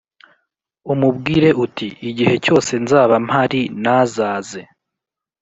umubwire uti igihe cyose nzaba mpari nazaze